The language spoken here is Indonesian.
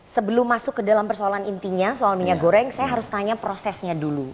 sebelum masuk ke dalam persoalan intinya soal minyak goreng saya harus tanya prosesnya dulu